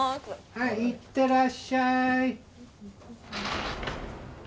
はいいってらっしゃーい。